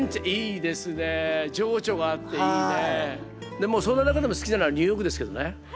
でもその中でも好きなのはニューヨークですけどね。